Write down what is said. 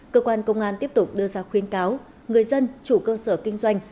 cơ quan công an tiếp tục đưa ra khuyến cáo người dân chủ cơ sở kinh doanh